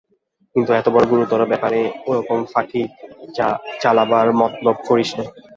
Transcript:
কিন্তু এতবড়ো গুরুতর ব্যাপারে ওরকম ফাঁকি চালাবার মতলব করিস নে।